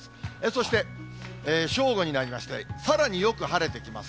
そして正午になりまして、さらによく晴れてきます。